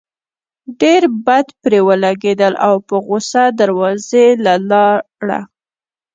ډېر بد پرې ولګېدل او پۀ غصه دروازې له لاړه